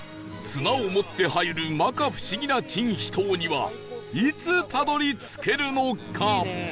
綱を持って入る摩訶不思議な珍秘湯にはいつたどり着けるのか？